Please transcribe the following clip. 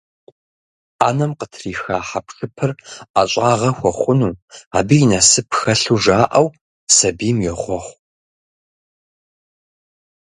Ӏэнэм къытриха хьэпшыпыр ӀэщӀагъэ хуэхъуну, абы и насып хэлъу жаӀэу, сабийм йохъуэхъу.